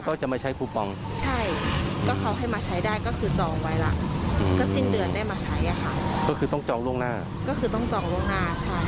ก็คือต้องจองโลกหน้าใช่